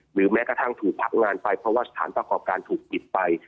แม้กระทั่งถูกผลักงานไปเพราะว่าสถานประกอบการถูกปิดไป